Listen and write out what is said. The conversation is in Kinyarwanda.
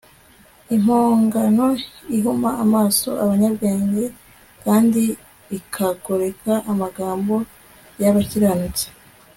impongano ihuma amaso abanyabwenge kandi ikagoreka amagambo y abakiranutsi